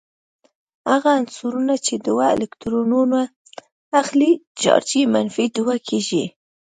هغه عنصرونه چې دوه الکترونونه اخلې چارج یې منفي دوه کیږي.